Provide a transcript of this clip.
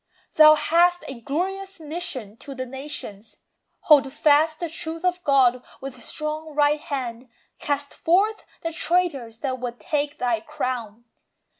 Thou hast a glorious mission to the nations. Hold fast the truth of God with strong right hand, Cast forth the traitors that would "take thy crown."